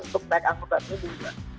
untuk naik anggota itu juga